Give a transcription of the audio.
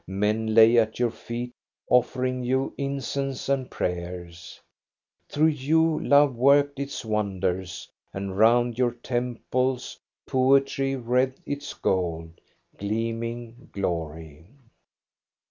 Men lay at your feet, offering you incense and prayers. Through you love worked its wonders, and round your temples poetry wreathed its gold, gleaming glory.